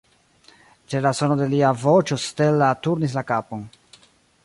Ĉe la sono de lia voĉo Stella turnis la kapon.